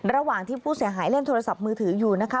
ระหว่างที่ผู้เสียหายเล่นโทรศัพท์มือถืออยู่นะคะ